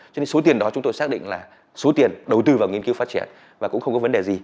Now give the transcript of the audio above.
cho nên số tiền đó chúng tôi xác định là số tiền đầu tư vào nghiên cứu phát triển và cũng không có vấn đề gì